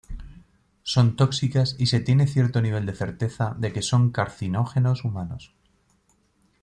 Son tóxicas y se tiene cierto nivel de certeza de que son carcinógenos humanos.